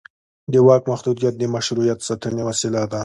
د واک محدودیت د مشروعیت ساتنې وسیله ده